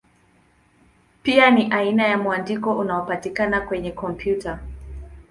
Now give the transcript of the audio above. Pia ni aina ya mwandiko unaopatikana kwenye kompyuta.